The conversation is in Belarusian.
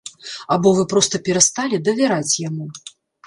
Або вы проста перасталі давяраць яму.